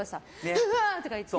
うわあ！とか言って。